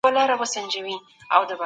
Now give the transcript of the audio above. نایله